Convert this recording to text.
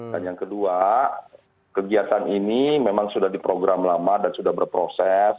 dan yang kedua kegiatan ini memang sudah diprogram lama dan sudah berproses